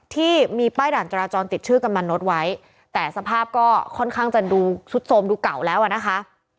ที่มีป้ายด่านจราจรติดชื่อกำนันนดไว้แต่สภาพก็ค่อนข้างจะดูซุดโทรมดูเก่าแล้วอ่ะนะคะ